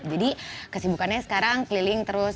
jadi kesibukannya sekarang keliling terus